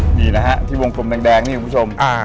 นี่นะฮะที่วงกลมแดงนี่คุณผู้ชม